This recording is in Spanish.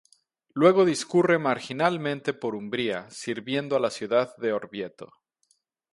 Luego discurre marginalmente por Umbría, sirviendo a la ciudad de Orvieto.